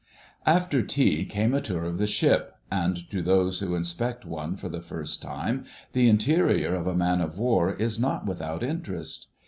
After tea came a tour of the ship, and to those who inspect one for the first time the interior of a man of war is not without interest.